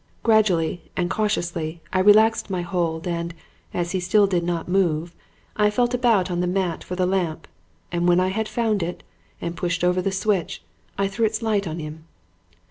Gradually and cautiously I relaxed my hold, and, as he still did not move, I felt about on the mat for the lamp; and when I had found it and pushed over the switch I threw its light on him.